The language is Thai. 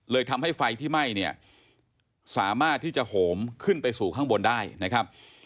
ทำให้ไฟที่ไหม้เนี่ยสามารถที่จะโหมขึ้นไปสู่ข้างบนได้นะครับ